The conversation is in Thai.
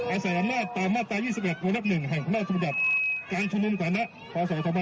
อาศัยอำนาจตามมาตรา๒๑มลักษณ์๑แห่งคุณแม่สมุดยัดการชมุมศาลนะภาษา๒๕๕๘